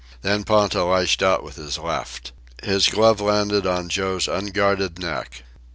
Then Ponta lashed out with his left. His glove landed on Joe's unguarded neck.